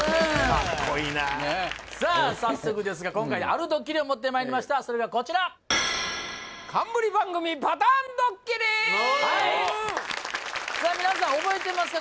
カッコイイなねえさあ早速ですが今回あるドッキリを持ってまいりましたそれではこちらはいさあ皆さん覚えてますか？